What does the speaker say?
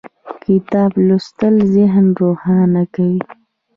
کتاب لوستل ذهن روښانه کوي